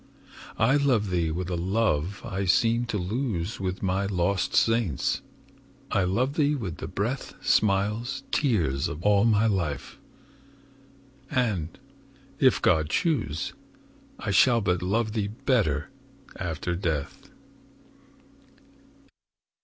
I love thee with a love I seemed to lose With my lost saints,—I love thee with the breath, Smiles, tears, of all my life!—and, if God choose, I shall but love thee better after death.